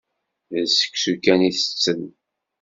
D seksu kan i tetten.